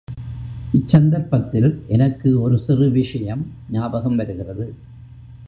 இச்சந்தர்ப்பத்தில் எனக்கு ஒரு சிறு விஷயம் ஞாபகம் வருகிறது.